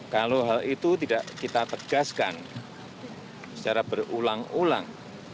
kalau hal itu tidak kita tegaskan secara berulang ulang